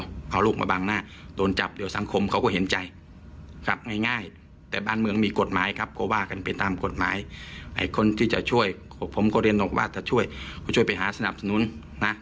ว่ากันไปตามกฎหมายไอ้คนที่จะช่วยผมก็เรียนออกว่าจะช่วยก็ช่วยไปหาสนับสนุนนะ